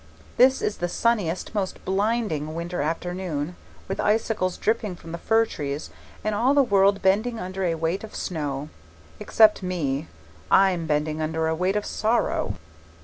This is the sunniest, most blinding winter afternoon, with icicles dripping from the fir trees and all the world bending under a weight of snow except me, and I'm bending under a weight of sorrow.